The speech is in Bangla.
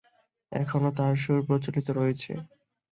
এখনও তার সুর প্রচলিত রয়েছে।